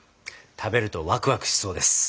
食べるとワクワクしそうです。